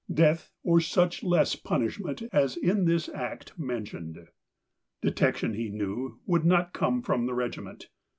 " Death or such less punishment as is in this Act men tioned." Detection, he knew, would not come from the regiment.